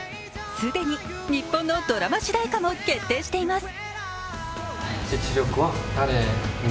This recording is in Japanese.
既に日本のドラマ主題歌も決定しています。